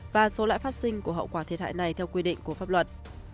và số lãi phát sinh của hậu quả thiệt hại này theo quy định của pháp luật